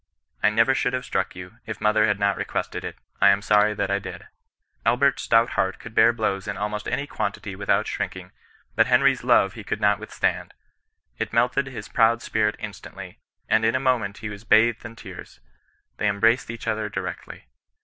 I never should have struck you, if mother had not requested it. I am sorry that I did.' Albert's stout heart could bear blows in almost any quantity without shrinking, but Henry's love he could not withstand. It melted his proud spirit instantly, and in a moment he was bathed in tears. They embraced each other directly.